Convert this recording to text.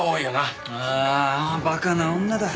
ああ馬鹿な女だ。